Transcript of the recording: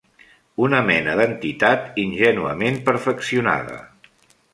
Una mena d'entitat ingènuament perfeccionada.